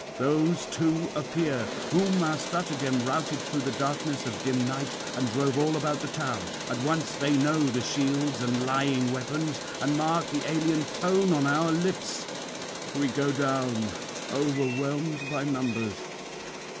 Those too appear, whom our stratagem routed through the darkness of dim night and drove all about the town; at once they know the shields and lying weapons, and mark the alien tone on our lips. We go down, overwhelmed by numbers.